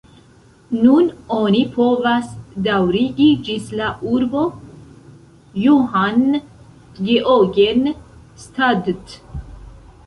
Nun oni povas daŭrigi ĝis la urbo Johann-Geogen-Stadt.